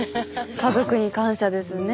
家族に感謝ですね。